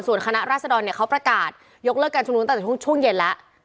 ส่วนคณะราษฎรเนี่ยเขาประกาศยกเลิกการชุมนุมตั้งแต่ช่วงเย็นแล้ว